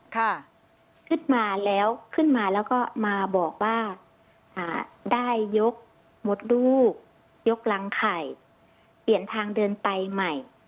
ขึ้นมาแล้วขึ้นมาแล้วก็มาบอกว่าอ่าได้ยกมดลูกยกรังไข่เปลี่ยนทางเดินไปใหม่